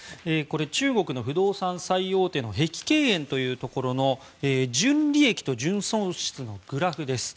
中国の不動産最大手の碧桂園というところの純利益と純損失の比較です。